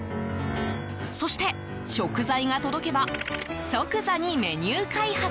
そして食材が届けば即座にメニュー開発。